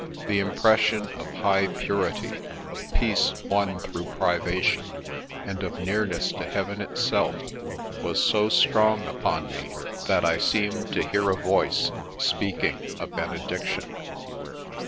The impression of high purity, of peace won through privation, and of nearness to Heaven itself, was so strong upon me, that I seemed to hear a voice speaking a benediction.